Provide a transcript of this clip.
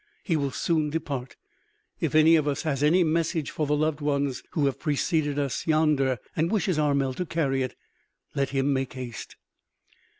He will soon depart. If any of us has any message for the loved ones who have preceded us yonder, and wishes Armel to carry it let him make haste."